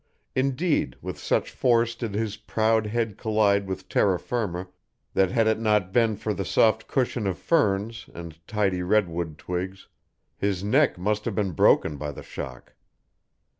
Indeed, with such force did his proud head collide with terra firma that had it not been for the soft cushion of ferns and tiny redwood twigs, his neck must have been broken by the shock.